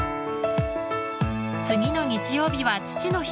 次の日曜日は父の日。